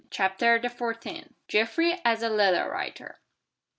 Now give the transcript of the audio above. CHAPTER THE FOURTEENTH. GEOFFREY AS A LETTER WRITER.